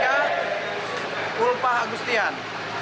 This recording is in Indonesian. yang ketiga ulpah agustian